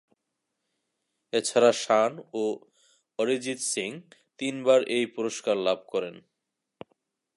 এছাড়া শান ও অরিজিৎ সিং তিনবার এই পুরস্কার লাভ করেন।